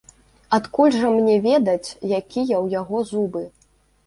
Адкуль жа мне ведаць, якія ў яго зубы?